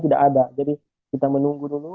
tidak ada jadi kita menunggu dulu